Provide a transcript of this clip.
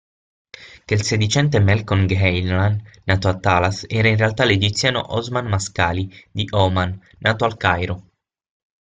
Che il sedicente Melkon Gehenlyan nato a Talas, era in realtà l'egiziano Osman Mascali di Ohman, nato al Cairo.